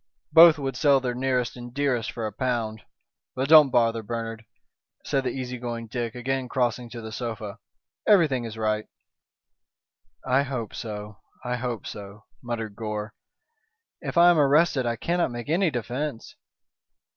Both would sell their nearest and dearest for a pound. But don't bother, Bernard," said the easy going Dick, again crossing to the sofa, "everything is right." "I hope so, I hope so," muttered Gore. "If I am arrested I cannot make any defence."